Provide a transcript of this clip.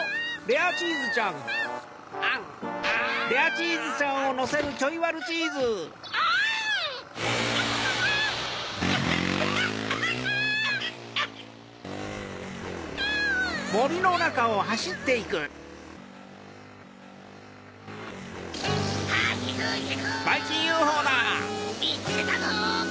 アン？みつけたぞ！